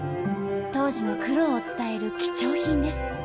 当時の苦労を伝える貴重品です。